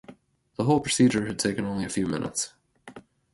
The whole procedure had taken only a few minutes.